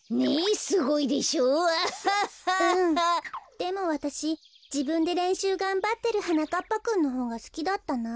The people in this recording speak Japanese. でもわたしじぶんでれんしゅうがんばってるはなかっぱくんのほうがすきだったな。